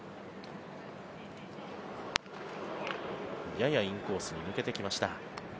ややインコースに抜けてきました。